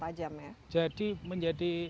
tajam ya jadi menjadi